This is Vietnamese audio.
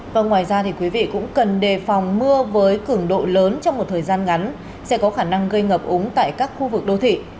và ngoài ra thì quý vị cũng cần đề phòng mưa với cứng độ lớn trong một thời gian ngắn sẽ có khả năng gây ngập úng tại các khu vực đô thị